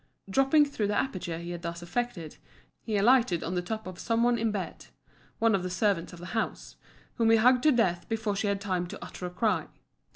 Dropping through the aperture he had thus effected, he alighted on the top of some one in bed one of the servants of the house whom he hugged to death before she had time to utter a cry.